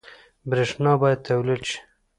برښنا باید تولید شي